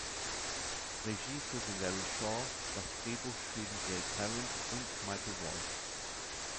Regie führte Larry Shaw, das Drehbuch schrieben Gail Parent und Michael Walsh.